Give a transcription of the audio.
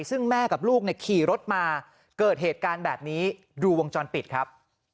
ซึ่งแม่กับลูกเนี่ยขี่รถมาเกิดเหตุการณ์แบบนี้ดูวงจรปิดครับ